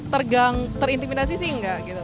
tergang terintimidasi sih nggak gitu